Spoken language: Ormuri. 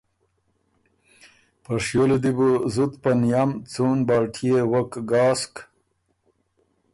په شیو له دی بُو زُت په نئم څُون بالټيې وک ګاسک۔